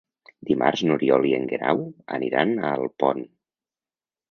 Dimarts n'Oriol i en Guerau aniran a Alpont.